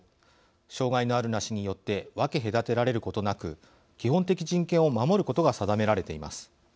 障害のあるなしによって分け隔てられることなく基本的人権を守ることが定められています。